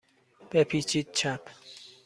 بپیچید چپ.